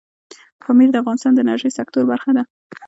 پامیر د افغانستان د انرژۍ سکتور برخه ده.